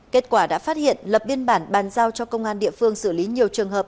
kết quả đã phát hiện lập biên bản bàn giao cho công an địa phương xử lý nhiều trường hợp